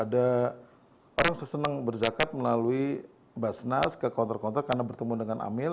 ada orang yang sesenang berzakat melalui basnas ke kontor kontor karena bertemu dengan amil